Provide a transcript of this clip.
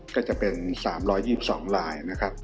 ก็จะเป็น๓๒๒ราย